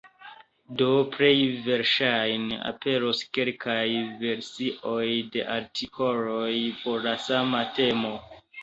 Do, plej verŝajne aperos kelkaj versioj de artikoloj por la sama temo.